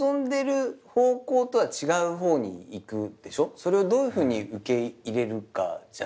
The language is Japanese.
それをどういうふうに受け入れるかじゃない？